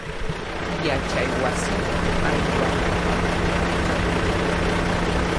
Yachaywasiman aywanapaq ñaqchakuy.